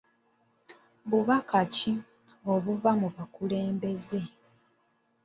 Bubaka ki obuva mu bakulembeze?